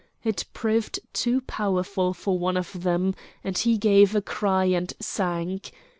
It proved too powerful for one of them, and he gave a cry and sank.